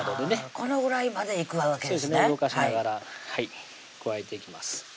このぐらいまでいくわけですね動かしながら加えていきます